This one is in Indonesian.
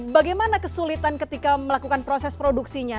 bagaimana kesulitan ketika melakukan proses produksinya